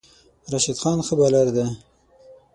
راشد خان ښه بالر دی